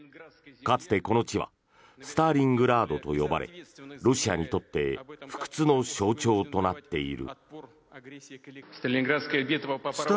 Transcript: かつてこの地はスターリングラードと呼ばれロシアにとって不屈の象徴となっている。